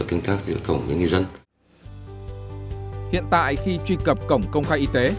hiện tại khi truy cập cổng công khai y tế